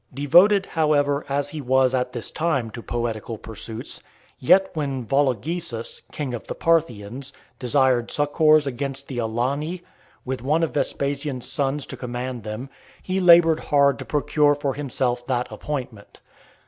Devoted, however, as he was at this time to poetical pursuits, yet when Vologesus, king of the Parthians, desired succours against the Alani, with one of Vespasian's sons to command them, he laboured hard to procure for himself that appointment.